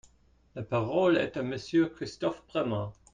La parole est à Monsieur Christophe Premat.